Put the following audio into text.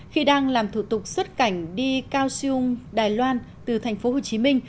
khi đang làm thủ tục xuất cảnh đi cao siung đài loan từ tp hcm